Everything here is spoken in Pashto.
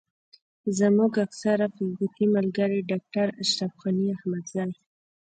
زموږ اکثره فېسبوکي ملګري ډاکټر اشرف غني احمدزی.